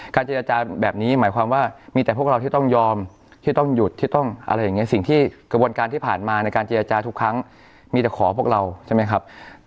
เจรจาแบบนี้หมายความว่ามีแต่พวกเราที่ต้องยอมที่ต้องหยุดที่ต้องอะไรอย่างนี้สิ่งที่กระบวนการที่ผ่านมาในการเจรจาทุกครั้งมีแต่ขอพวกเราใช่ไหมครับ